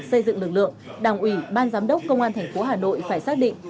xây dựng lực lượng đảng ủy ban giám đốc công an tp hà nội phải xác định